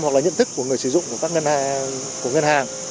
hoặc là nhận thức của người sử dụng của các ngân hàng